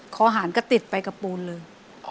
คอหารก็ติดไปกับปูนเลย